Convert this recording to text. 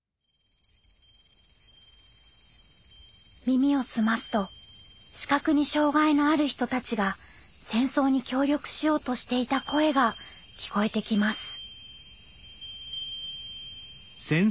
耳を澄ますと視覚に障害のある人たちが戦争に協力しようとしていた声が聴こえてきます。